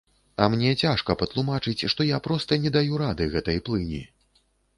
А мне цяжка патлумачыць, што я проста не даю рады гэтай плыні.